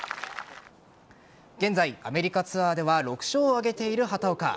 現在、アメリカツアーでは６勝を挙げている畑岡。